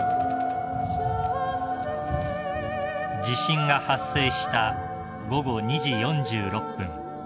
［地震が発生した午後２時４６分］